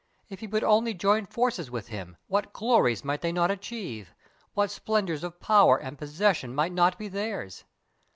If he would only join forces with him what glories might they not achieve, what splendours of power and possession might not be theirs!